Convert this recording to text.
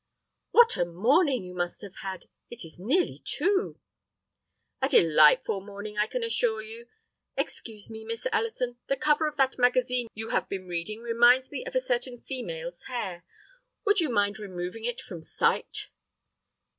"What a morning you must have had! It is nearly two." "A delightful morning, I can assure you. Excuse me, Miss Ellison, the cover of that magazine you have been reading reminds me of a certain female's hair. Would you mind removing it from sight?"